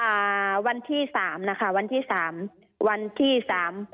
อ่าวันที่สามนะคะวันที่สามวันที่สาม